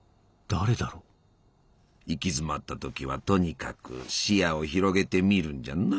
行き詰まった時はとにかく視野を広げてみるんじゃな。